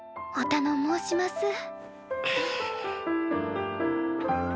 おたの申します。